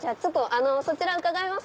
そちら伺います